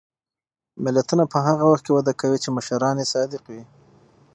ملتونه په هغه وخت کې وده کوي چې مشران یې صادق وي.